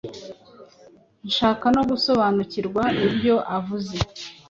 nshaka no gusobanukirwa ibyo uvuze